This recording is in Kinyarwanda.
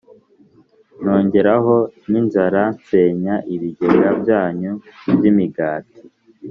nongereho n’inzara nsenya ibigega byanyu by’imigati